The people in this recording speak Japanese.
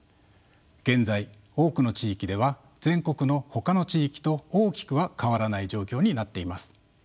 現在多くの地域では全国のほかの地域と大きくは変わらない状況になっています。